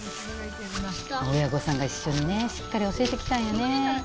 親御さんが一緒にねしっかり教えてきたんやね。